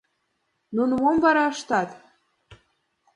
Ну мом вара ышташ!